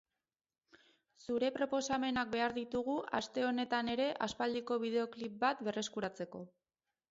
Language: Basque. Zure proposamenak behar ditugu aste honetan ere aspaldiko bideoklip bat berreskuratzeko.